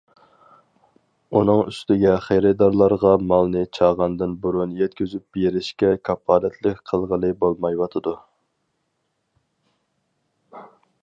ئۇنىڭ ئۈستىگە خېرىدارلارغا مالنى چاغاندىن بۇرۇن يەتكۈزۈپ بېرىشكە كاپالەتلىك قىلغىلى بولمايۋاتىدۇ.